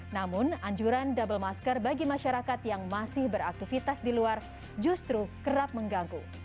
namun anjuran double masker bagi masyarakat yang masih beraktivitas di luar justru kerap mengganggu